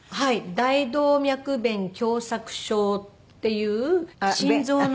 大動脈弁狭窄症っていう心臓の。